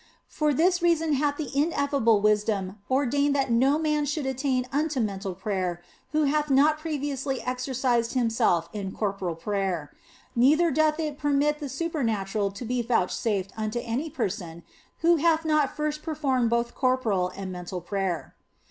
For this reason hath the ineffable wisdom ordained that no man should attain unto mental prayer who hath not previously exercised himself in corporal prayer, neither doth it permit the super OF FOLIGNO 101 natural to be vouchsafed unto any person who hath not first performed both corporal and mental prayer.